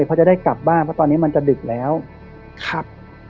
เพราะจะได้กลับบ้านเพราะตอนนี้มันจะดึกแล้วครับ